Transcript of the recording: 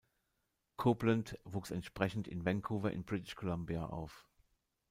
Coupland wuchs entsprechend in Vancouver in British Columbia auf.